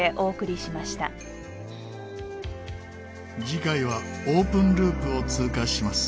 次回はオープンループを通過します。